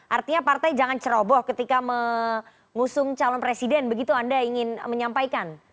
artinya partai jangan ceroboh ketika mengusung calon presiden begitu anda ingin menyampaikan